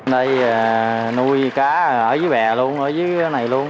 nơi nuôi cá ở dưới bè luôn ở dưới này luôn